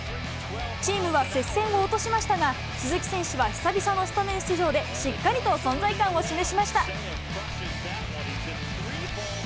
チームは接戦を落としましたが、鈴木選手は久々のスタメン出場でしっかりと存在感を示しました。